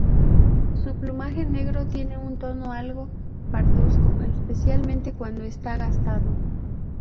Su plumaje negro tiene un tono algo parduzco, especialmente cuando está gastado.